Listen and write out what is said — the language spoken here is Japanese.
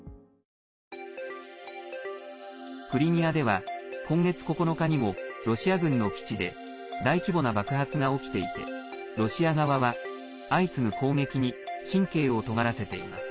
クリミアでは今月９日にもロシア軍の基地で大規模な爆発が起きていてロシア側は相次ぐ攻撃に神経をとがらせています。